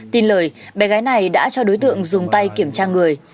tin lời bé gái này đã cho đối tượng dùng tay kiểm tra người